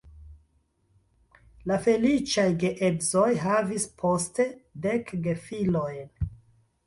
La feliĉaj geedzoj havis poste dek gefilojn.